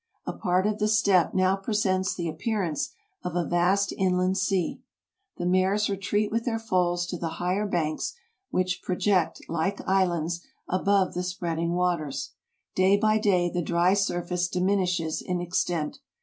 A part of the steppe now presents the appearance of a vast inland sea. The mares retreat with their foals to the higher banks, which project, like islands, above the spreading waters. Day by day the dry surface diminishes in extent.